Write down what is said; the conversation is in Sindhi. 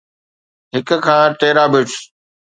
هڪ کان terabits